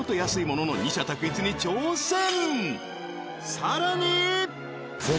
さらに